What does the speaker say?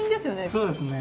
そうですね。